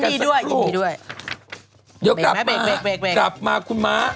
เดี๋ยวกลับมาคุณม้า